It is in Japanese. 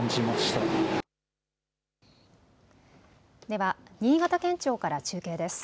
では新潟県庁から中継です。